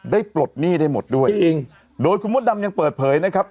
ปลดหนี้ได้หมดด้วยจริงโดยคุณมดดำยังเปิดเผยนะครับ